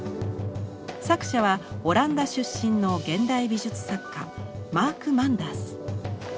作者はオランダ出身の現代美術作家マーク・マンダース。